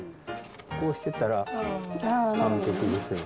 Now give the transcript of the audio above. こうしてったら完璧ですね。